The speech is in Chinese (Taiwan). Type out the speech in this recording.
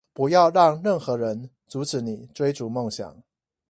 不要讓任何人阻止你追逐夢想